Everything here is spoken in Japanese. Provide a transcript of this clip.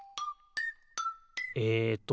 えっと